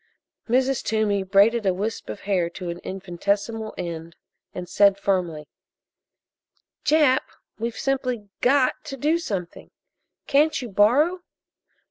Mrs. Toomey braided a wisp of hair to an infinitesimal end and said firmly: "Jap, we've simply got to do something! Can't you borrow?"